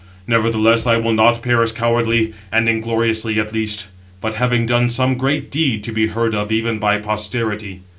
Nevertheless I will not perish cowardly and ingloriously at least, but having done some great deed to be heard of even by posterity."